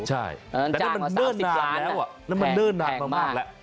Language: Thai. แต่มันเนิ่นนานมามากแล้ว